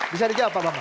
bisa dijawab pak bambang